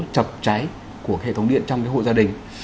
chọc cháy của hệ thống điện trong hộ gia đình